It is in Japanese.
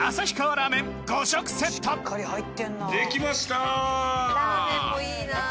ラーメンもいいな。